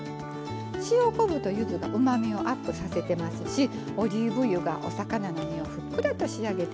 塩昆布とゆずがうまみをアップさせてますしオリーブ油がお魚の身をふっくらと仕上げてくれます。